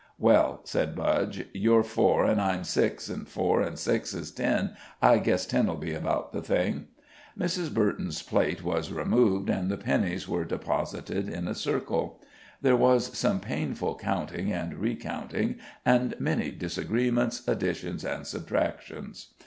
"Well," said Budge, "you're four an' I'm six, an' four an' six is ten I guess ten'll be about the thing." Mrs. Burton's plate was removed, and the pennies were deposited in a circle. There was some painful counting and recounting, and many disagreements, additions and subtractions.